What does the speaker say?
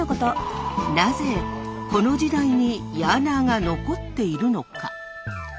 なぜこの時代にヤーナーが残っているのか？